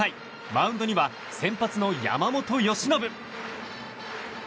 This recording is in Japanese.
マウンドには先発の山本由伸。